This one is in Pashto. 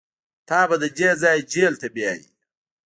تا به له دې ځايه جېل ته بيايي.